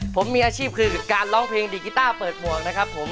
ผมอาชีพการร้องเพลงดีกิต้าเปิดหมวก